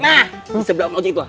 nah sebelah orang ojek itu